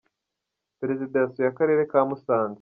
perezida yasuye akarere ka musanze.